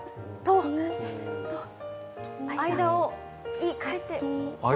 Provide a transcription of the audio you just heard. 間を言いかえて。